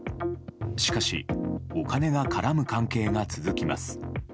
しかし、お金が絡む関係が続きます。